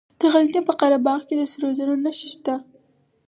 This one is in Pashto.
د غزني په قره باغ کې د سرو زرو نښې شته.